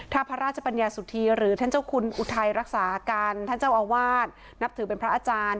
ถ้าพระราชปัญญาสุธีหรือท่านเจ้าคุณอุทัยรักษาการท่านเจ้าอาวาสนับถือเป็นพระอาจารย์